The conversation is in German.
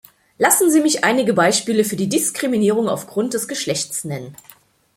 Lassen Sie mich einige Beispiele für die Diskriminierung auf Grund des Geschlechts nennen.